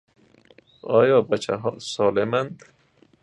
آیا بچها سَالم اند؟